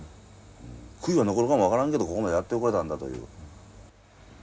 悔いは残るかも分からんけどここまでやってこれたんだという。